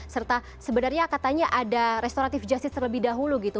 serta sebenarnya katanya ada restoratif justice terlebih dahulu gitu